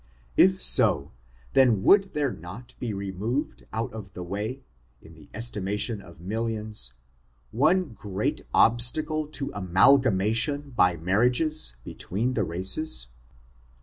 If so, then would there not be removed out of the way, in the estimation of millions, one great obstacle to amalgamation by marriages between the races?